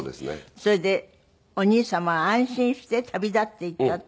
それでお兄様は安心して旅立っていったって。